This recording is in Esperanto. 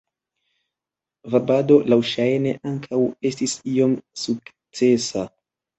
Varbado laŭŝajne ankaŭ estis iom sukcesa.